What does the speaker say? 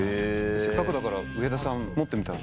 せっかくだから上田さん持ってみたら？